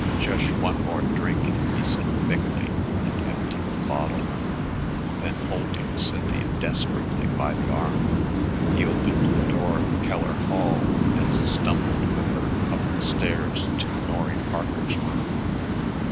"Jush one more drink," he said thickly and emptied the bottle. Then, holding Cynthia desperately by the arm, he opened the door of Keller Hall and stumbled with her up the stairs to Norry Parker's room.